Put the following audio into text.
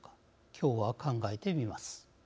今日は、考えてみます。